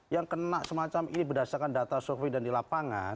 yang kena semacam ini berdasarkan data survei dan di lapangan